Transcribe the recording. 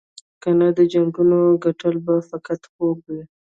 کنه د جنګونو ګټل به فقط خوب وي.